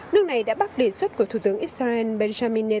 nước này đã bắt đề xuất của thủ tướng israel benjamin netan